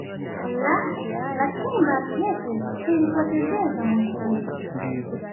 Allah lakini baadhi yetu hulipotezea Jambo hili